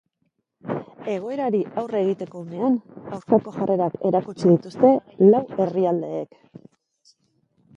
Egoerari aurre egiteko unean, aurkako jarrerak erakutsi dituzte lau herrialdeek.